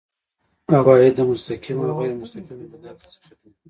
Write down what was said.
عواید د مستقیمو او غیر مستقیمو مالیاتو څخه دي.